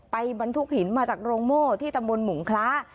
บรรทุกหินมาจากโรงโม่ที่ตำบลหมุงคล้า